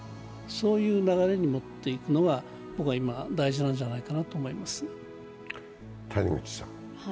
そういう流れに持っていくのが今、大事なんじゃないかなと思います。